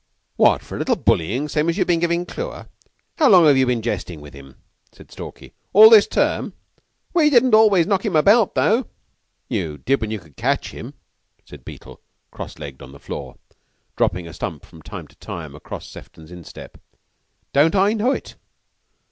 "What? for a little bullyin' same as you've been givin' Clewer! How long have you been jestin' with him?" said Stalky. "All this term?" "We didn't always knock him about, though!" "You did when you could catch him," said Beetle, cross legged on the floor, dropping a stump from time to time across Sefton's instep. "Don't I know it!"